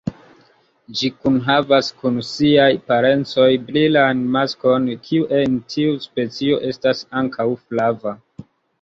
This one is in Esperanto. Ĝi kunhavas kun siaj parencoj brilan maskon kiu en tiu specio estas ankaŭ flava.